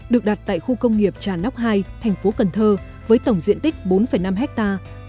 được đặt tại khu công nghiệp trà nóc hai thành phố cần thơ với tổng diện tích bốn năm hectare